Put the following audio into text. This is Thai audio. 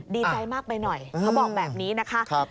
ดีใจมากไปหน่อยเขาบอกแบบนี้นะคะ